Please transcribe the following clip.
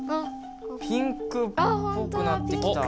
ピンクっぽくなってきた。